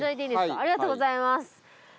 ありがとうございます。